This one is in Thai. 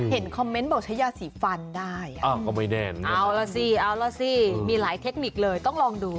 คอมเมนต์บอกใช้ยาสีฟันได้ก็ไม่แน่นะเอาล่ะสิเอาล่ะสิมีหลายเทคนิคเลยต้องลองดู